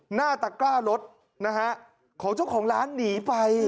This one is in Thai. หน้าตะกร้ารถนะฮะของเจ้าของร้านหนีไป